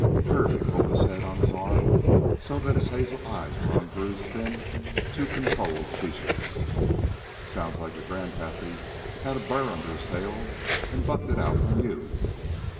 Kirby rolled his head on his arm so that his hazel eyes were on Drew's thin, too controlled features. "Sounds like your grandpappy had a burr under his tail an' bucked it out on you."